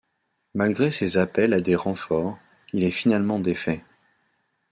Malgré ses appels à des renforts, il est finalement défait.